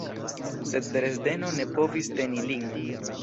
Sed Dresdeno ne povis teni lin.